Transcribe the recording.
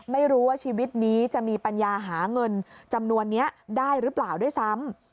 ไม่รู้ว่าชีวิตนี้จะมีปัญญาหาเงินจำนวนนี้ได้หรือเปล่าด้วยซ้ำ